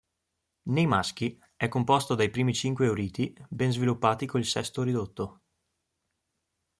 Nei maschi è composto dai primi cinque uriti ben sviluppati con il sesto ridotto.